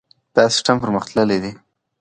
دا سیستم پرمختللی دی.